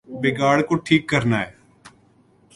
بگاڑ کو ٹھیک کرنا ہے۔